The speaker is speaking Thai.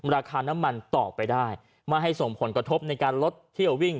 ราคาน้ำมันต่อไปได้ไม่ให้ส่งผลกระทบในการลดเที่ยววิ่ง